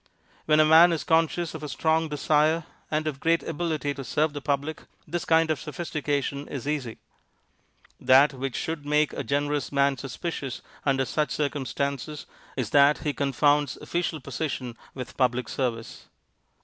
When a man is conscious of a strong desire and of great ability to serve the public, this kind of sophistication is easy. That which should make a generous man suspicious under such circumstances is that he confounds official position with public service.